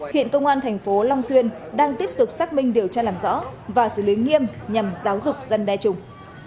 hiện công an thành phố long xuyên đang tiếp tục xác minh điều tra làm rõ và xử lý nghiêm nhằm giáo dục dân đe chung